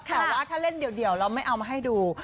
แต่ว่าถ้าเล่นเดียวเราไม่เอามาให้ดู